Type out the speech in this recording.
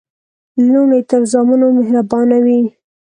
لوڼي تر زامنو مهربانه وي.